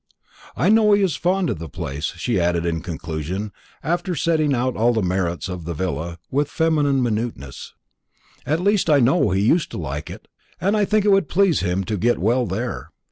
"I know he is fond of the place," she added in conclusion, after setting out all the merits of the villa with feminine minuteness; "at least I know he used to like it, and I think it would please him to get well there.